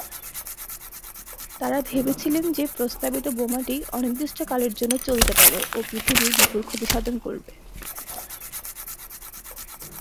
তারা ভেবেছিলেন যে প্রস্তাবিত বোমাটি অনির্দিষ্টকালের জন্য চলতে পারে ও পৃথিবীর বিপুল ক্ষতিসাধন করবে।